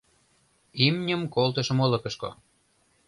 Имньым колтышым олыкышко -